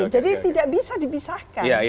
jadi tidak bisa dibisahkan